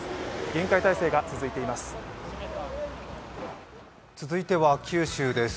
厳戒態勢が続いています。